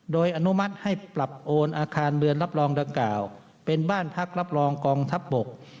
โดยอนุมัติให้ปรับโอนอาคารเรือนรับรองดังกล่าวเป็นบ้านพักรับรองกองทัพบก